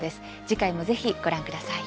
次回もぜひご覧ください。